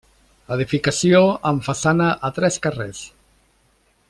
Edificació amb façana a tres carrers.